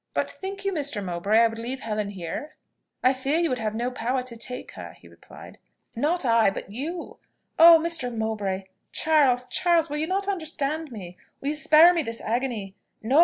"But think you, Mr. Mowbray, I would leave Helen here?" "I fear you will have no power to take her," he replied. "Not I but you. Oh! Mr. Mowbray! Charles! Charles! will you not understand me? Will you spare me this agony? No?